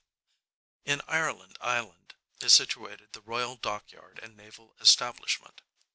In Ireland Island is situated the royal dockyard and naval establishment.